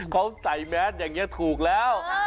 เขาใส่แมสอย่างนี้ถูกแล้ว